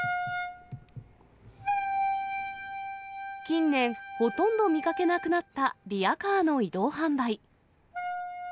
近年、ほとんど見かけなくなったリヤカーの移動販売。